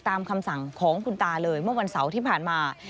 ตามคำสั่งของคุณตาเลยเมื่อวันเสาร์ที่ผ่านมา